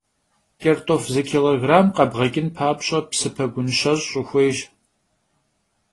Ç'ert'of zı kilogramm khebğeç'ın papş'e, psı pegun şeş' vuxuêyş.